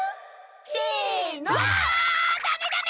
せの！わダメダメ！